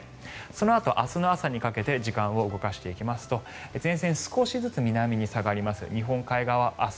そのあと明日の朝にかけて時間を動かしていきますと前線、少しずつ南に下がります。